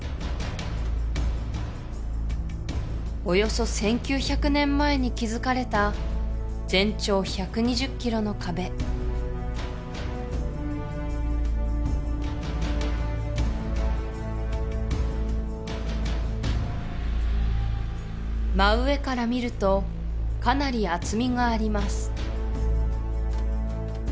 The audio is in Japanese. およそ１９００年前に築かれた全長１２０キロの壁真上から見るとかなり厚みがあります